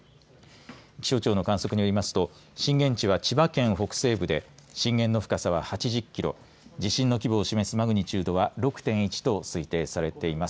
気象庁の観測によりますと震源地は千葉県北西部で震源の深さは８０キロ地震の規模を示すマグニチュードは６．１と推定されています。